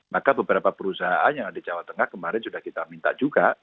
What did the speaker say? maka beberapa perusahaan yang ada di jawa tengah kemarin sudah kita minta juga